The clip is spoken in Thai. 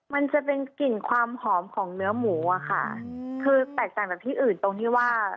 มันจะเป็นกลิ่นความหอมของเนื้อหมูอ่ะค่ะคือแตกต่างจากที่อื่นตรงที่ว่า